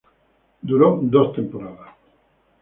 Duró dos temporadas.